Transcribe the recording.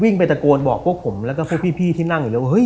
ไปตะโกนบอกพวกผมแล้วก็พวกพี่ที่นั่งอยู่แล้วเฮ้